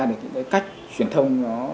được những cái cách truyền thông nó